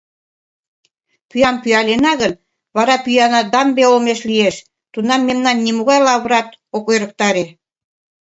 Пӱям пӱялена гын, вара пӱяна дамбе олмеш лиеш, тунам мемнам нимогай лавырат ок ӧрыктаре.